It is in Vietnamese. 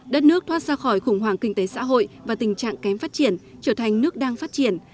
đất nước thoát ra khỏi khủng hoảng kinh tế xã hội và tình trạng kém phát triển trở thành nước đang phát triển